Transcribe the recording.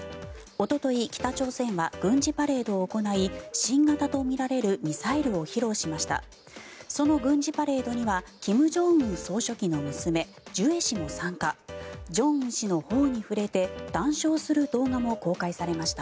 おととい、北朝鮮は軍事パレードを行い新型とみられるミサイルを披露しました。